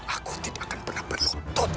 aku tidak akan pernah berlutut padamu